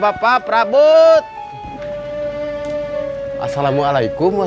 biar saya marah lalu nih